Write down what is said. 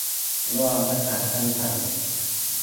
รวม ประกาศ คำสั่ง